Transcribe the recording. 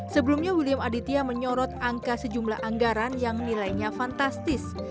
sebelumnya william aditya menyorot angka sejumlah anggaran yang nilainya fantastis